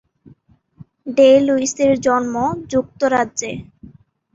ডে-লুইসের জন্ম যুক্তরাজ্যে।